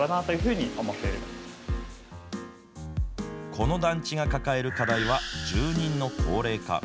この団地が抱える課題は住人の高齢化。